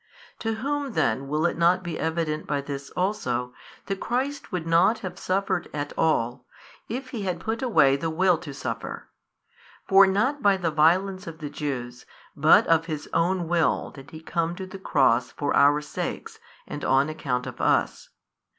To whom then will it not be evident by this also, that Christ would not have suffered at all, if He had put away the will to suffer? For not by the violence of the Jews, but of His own Will did He come to the Cross for our sakes and on account of us.